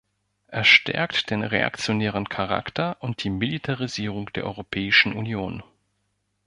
Er stärkt den reaktionären Charakter und die Militarisierung der Europäischen Union.